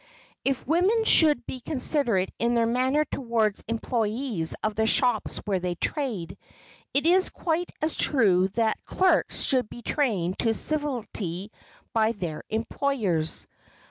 If women should be considerate in their manner toward employees of the shops where they trade, it is quite as true that clerks should be trained to civility by their employers.